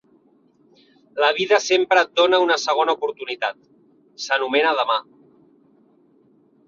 La vida sempre et dona una segona oportunitat; s'anomena "demà".